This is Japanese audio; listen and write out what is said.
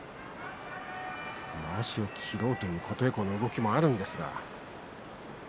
まわしを切ろうという琴恵光の動きもありました。